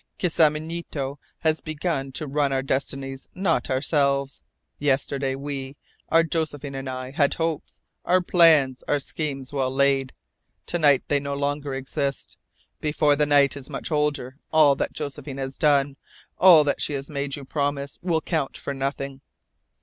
Kisamunito has begun to run our destinies, not ourselves. Yesterday we our Josephine and I had our hopes, our plans, our schemes well laid. To night they no longer exist. Before the night is much older all that Josephine has done, all that she has made you promise, will count for nothing.